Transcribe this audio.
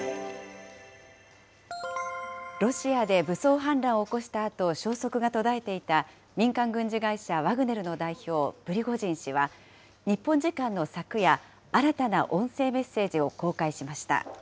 ロシアで武装反乱を起こしたあと、消息が途絶えていた民間軍事会社ワグネルの代表、プリゴジン氏は日本時間の昨夜、新たな音声メッセージを公開しました。